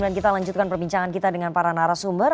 dan kita lanjutkan perbincangan kita dengan para narasumber